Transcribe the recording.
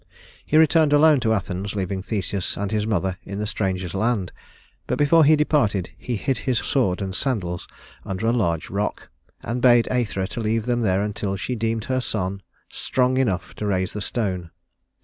He returned alone to Athens, leaving Theseus and his mother in the stranger's land; but before he departed he hid his sword and sandals under a large rock, and bade Æthra leave them there until she deemed her son strong enough to raise the stone.